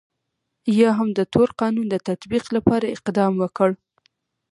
یا هم د تور قانون د تطبیق لپاره اقدام وکړ.